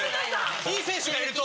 いい選手がいると？